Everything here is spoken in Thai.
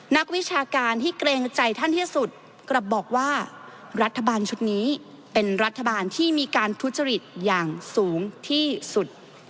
นักวิชาการที่เกรงใจท่านที่สุดกลับบอกว่ารัฐบาลชุดนี้เป็นรัฐบาลที่มีการทุจริตอย่างสูงที่สุด